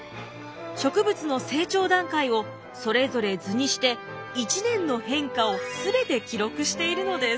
植物の成長段階をそれぞれ図にして１年の変化を全て記録しているのです。